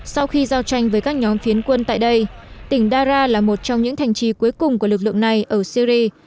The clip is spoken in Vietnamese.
sau khi giao tranh với các nhóm phiến quân tại đây tỉnh dara là một trong những thành trì cuối cùng của lực lượng này ở syri